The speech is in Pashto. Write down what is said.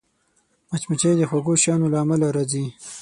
مچمچۍ د خوږو شیانو له امله راځي